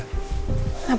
ngapain sih ribet banget